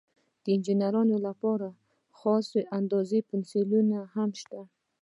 د انجینرانو لپاره د خاصو اندازو پنسلونه هم شته.